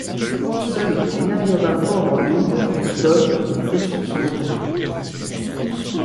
Seuls les navires d'un port en lourd de tonnes et plus sont retenus.